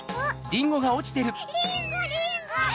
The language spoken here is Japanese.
リンゴリンゴわい！